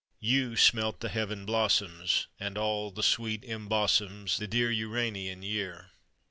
You smelt the Heaven blossoms, And all the sweet embosoms The dear Uranian year.